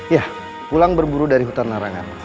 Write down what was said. ya pulang berburu dari hutan larangan